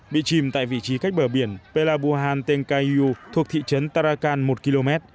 bị chìm tại vị trí cách bờ biển pelabuhan tengkayu thuộc thị trấn tarakan một km